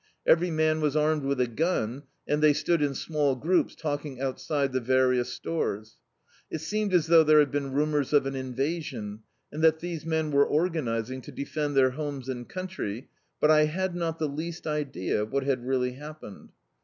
Every man was armed with a gun, and they stood in small groups talking outside the various stores. It seemed as though there had been rumours of an invasion, and that these men were organising to defend their homes and country, but I had not the least idea of what had really happened.